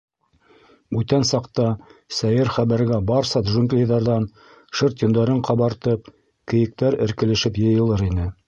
Бүтән саҡта сәйер хәбәргә барса джунглиҙарҙан шырт йөндәрен ҡабартып, кейектәр эркелешеп йыйылыр ине.